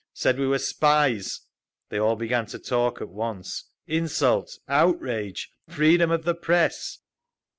Said we were spies!" They all began to talk at once: "Insult! Outrage! Freedom of the press!"